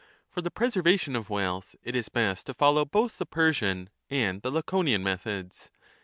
For the preservation of wealth it is best to 30 follow both the Persian and the Laconian methods.